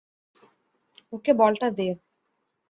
ওকে বলটা দে।